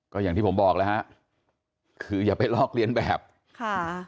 ก็อย่างที่ผมบอกแล้วฮะคืออย่าไปลอกเรียนแบบค่ะ